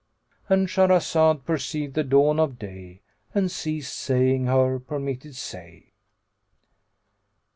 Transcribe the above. —And Shahrazad perceived the dawn of day and ceased saying her permitted say.